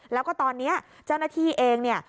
แล้วก็ตอนนี้เจ้าหน้าที่เองเนี่ย